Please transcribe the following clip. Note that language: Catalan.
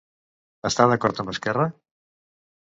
Està d'acord amb Esquerra?